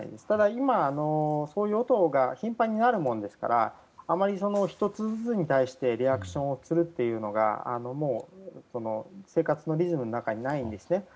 ただ今、そういう音が頻繁に鳴るものですからあまり１つずつに対してリアクションをするというのが生活のリズムの中にないんですね。